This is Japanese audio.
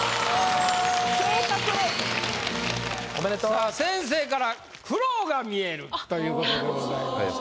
さあ先生から「苦労が見える！」ということでございました。